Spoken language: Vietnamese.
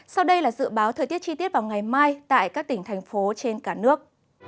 sau đây là dự báo thời tiết chi tiết vào ngày mai tại các tỉnh thành phố trên cả nước